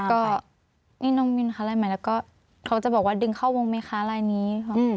ก็นี่น้องมินคะลายใหม่แล้วก็เขาจะบอกว่าดึงเข้าวงไหมคะลายนี้